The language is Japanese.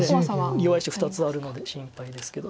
弱い石２つあるので心配ですけど。